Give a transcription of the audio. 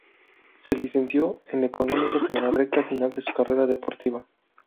Se licenció en económicas en la recta final de su carrera deportiva.